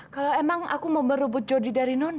kalau emang aku mau merebut jody dari non